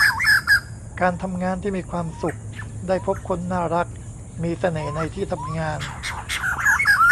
การทำงานที่มีความสุข ได้พบคนน่ารักมีเสน่ห์ในที่ทำงาน